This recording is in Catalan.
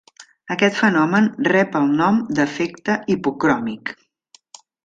Aquest fenomen rep el nom d'efecte hipocròmic.